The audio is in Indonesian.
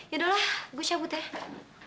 yaudahlah gue cabut ya